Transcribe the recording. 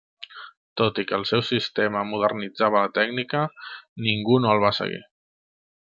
Tot i que el seu sistema modernitzava la tècnica, ningú no el va seguir.